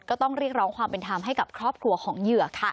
ก็ต้องเรียกร้องความเป็นธรรมให้กับครอบครัวของเหยื่อค่ะ